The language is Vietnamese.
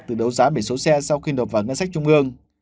từ đấu giá biển số xe sau khi nộp vào ngân sách trung ương